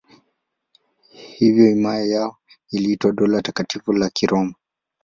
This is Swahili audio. Hivyo himaya yao iliitwa Dola Takatifu la Kiroma.